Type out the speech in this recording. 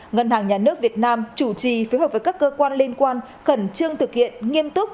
ngân hàng nhà nước việt nam chủ trì phối hợp với các cơ quan liên quan khẩn trương thực hiện nghiêm túc